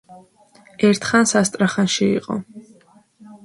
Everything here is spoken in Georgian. ერთხანს ასტრახანში იყო.